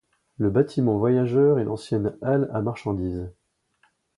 Le bâtiment voyageurs et l'ancienne halle à marchandises.